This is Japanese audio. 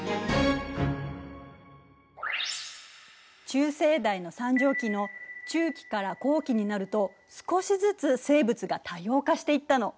中生代の三畳紀の中期から後期になると少しずつ生物が多様化していったの。